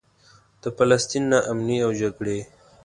د فلسطین نا امني او جګړې.